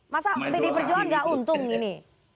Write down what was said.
masa pd perjuangan tidak untung ini